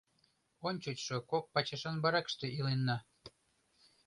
Ончычшо кок пачашан баракыште иленна.